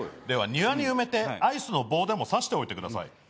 では庭に埋めてアイスの棒でもさしておいてください。